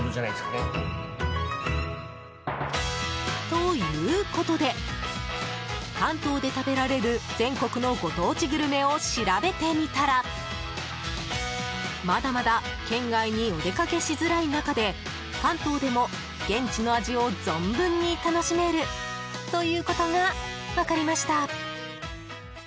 ということで関東で食べられる全国のご当地グルメを調べてみたらまだまだ県外にお出かけしづらい中で関東でも現地の味を存分に楽しめるということが分かりました。